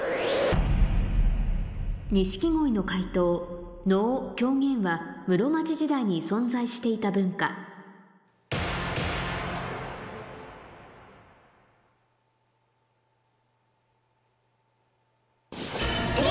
錦鯉の解答能・狂言は室町時代に存在していた文化お！